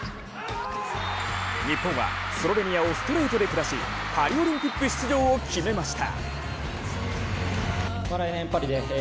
日本はスロベニアをストレートで下し、パリオリンピック出場を決めました。